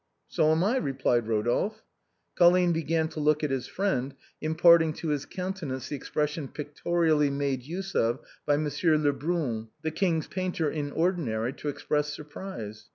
" So am I," replied Rodolphe. Colline began to look at his friend, imparting to his countenance the expression pictorially made use of by M. Lebrun, the king's painter in ordinary, to express surprise.